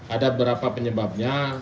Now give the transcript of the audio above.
ada berapa penyebabnya